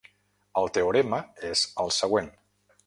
El teorema és el següent.